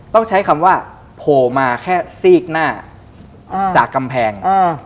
ต้องใช้คำว่าโผล่มาแค่ซีกหน้าจากกำแพง